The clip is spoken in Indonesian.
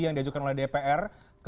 yang diajukan oleh dpr